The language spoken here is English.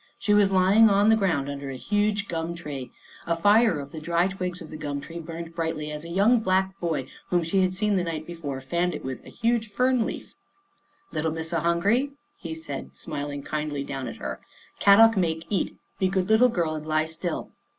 She was lying on the ground under a huge gum tree. A fire of the dry twigs of the gum tree burned brightly, as a young black boy whom 76 Jean Finds a Friend 77 she had seen the night before fanned it with a huge fern leaf. " Little Missa hungry," he said, smiling kindly down at her. " Kadok make eat. Be good little girl and lie still."